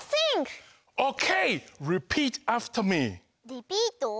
リピート？